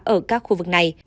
ở các khu vực này